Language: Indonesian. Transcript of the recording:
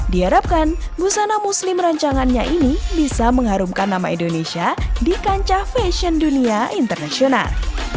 diharapkan busana muslim rancangannya ini bisa mengharumkan nama indonesia di kancah fashion dunia internasional